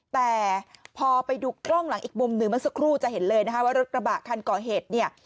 แต่พอไปดูกล้องหลังอีกมุมหนึ่งเมื่อสักครู่จะเห็นเลยนะคะว่ารถกระบะคันก่อเหตุเนี่ย